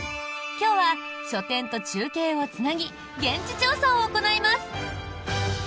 今日は書店と中継をつなぎ現地調査を行います。